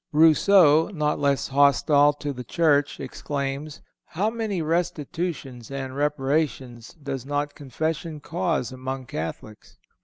(466) Rousseau, not less hostile to the Church, exclaims: "How many restitutions and reparations does not confession cause among Catholics!"